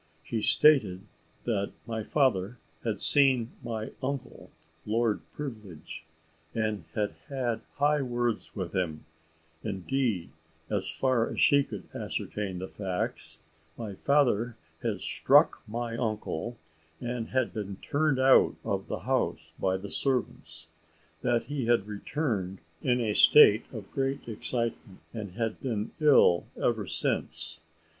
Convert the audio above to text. She stated, that my father had seen my uncle, Lord Privilege, and had had high words with him; indeed, as far as she could ascertain of the facts, my father had struck my uncle, and had been turned out of the house by the servants. That he had returned in a state of great excitement, and had been ill ever since.